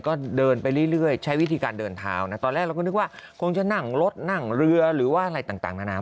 คุณคิดว่าคงจะนั่งรถนั่งเรือหรือว่าอะไรต่างนานา